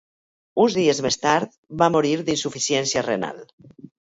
Uns dies més tard, va morir d'insuficiència renal.